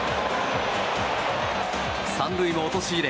３塁も陥れ